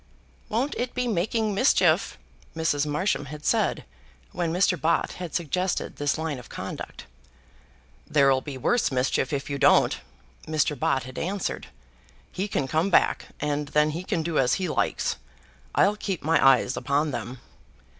"Won't it be making mischief?" Mrs. Marsham had said when Mr. Bott had suggested this line of conduct. "There'll be worse mischief if you don't," Mr. Bott had answered. "He can come back, and then he can do as he likes. I'll keep my eyes upon them."